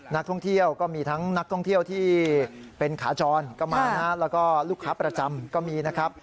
นักท่องเที่ยวก็มีทั้งนักท่องเที่ยวที่เป็นขาจรก็มานะแล้วก็ลูกค้าประจำก็มีนะครับ